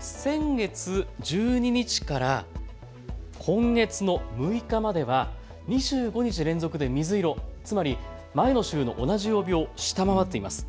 先月１２日から今月の６日までは２５日連続で水色、つまり前の週の同じ曜日を下回っています。